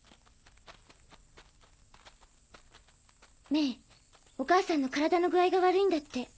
メイお母さんの体の具合が悪いんだって。